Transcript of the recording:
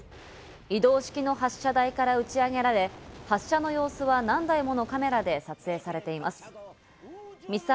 移動式の発射台から打ち上げられ、発射の様子は何台ものカメラで撮影されています。